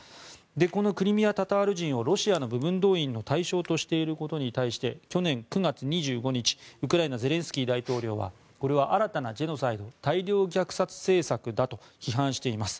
このクリミア・タタール人をロシアの部分動員令の対象としていることに対して去年９月２５日、ウクライナゼレンスキー大統領はこれは新たなジェノサイド大量虐殺政策だと批判しています。